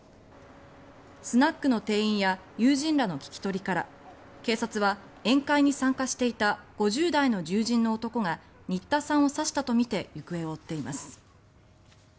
スナックの店員や友人らの聞き取りから警察は宴会に参加していた５０代の友人の男が新田さんを刺したとみて行方を追っています。